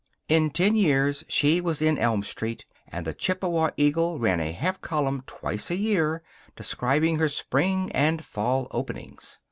In ten years she was in Elm Street, and the Chippewa Eagle ran a half column twice a year describing her spring and fall openings.